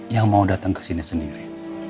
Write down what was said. yang mau datang kesini sendiri